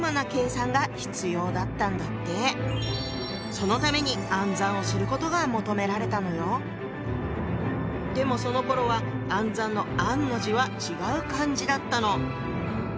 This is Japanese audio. そのためにでもそのころは暗算の「暗」の字は違う漢字だったの。